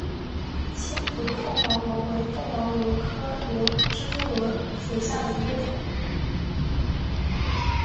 千足凤凰螺为凤凰螺科蜘蛛螺属下的一个种。